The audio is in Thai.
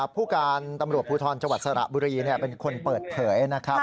ผู้การตำรวจภูทรจังหวัดสระบุรีเป็นคนเปิดเผยนะครับ